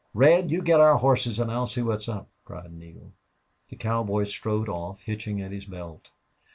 "Red, you get our horses and I'll see what's up," cried Neale. The cowboy strode off, hitching at his belt.